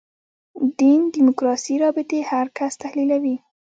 دین دیموکراسي رابطې هر کس تحلیلوي.